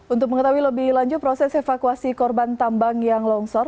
untuk mengetahui lebih lanjut proses evakuasi korban tambang yang longsor